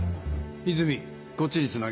和泉こっちにつなげ。